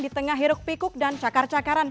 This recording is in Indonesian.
di tengah hiruk pikuk dan cakar cakaran